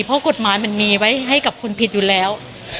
เพราะกฎหมายมันมีไว้ให้กับคุณผิดอยู่แล้ว